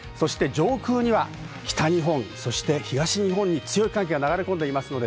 上空には北日本・東日本に強い寒気が流れ込んでいます。